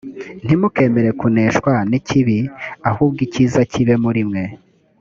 ntimukemere kuneshwa n’ikibi ahubwo ikiza kibe muri mwe